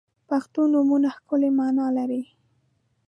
• پښتو نومونه ښکلی معنا لري.